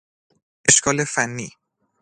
اشکال فنی